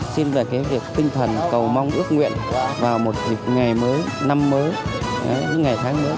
xin về cái việc tinh thần cầu mong ước nguyện vào một dịp ngày mới năm mới những ngày tháng nữa